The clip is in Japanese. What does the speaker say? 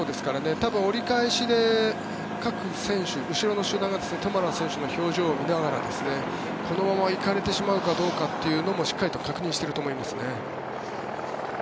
多分、折り返しで各選手後ろの集団がトマラ選手の表情を見ながらこのまま行かれてしまうかどうかというのもしっかりと確認していると思いますね。